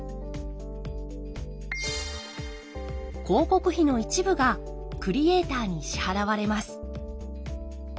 広告費の一部がクリエーターに支払われます。